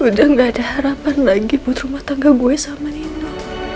udah gak ada harapan lagi buat rumah tangga buy sama nino